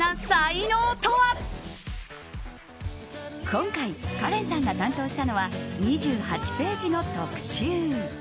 今回カレンさんが担当したのは２８ページの特集。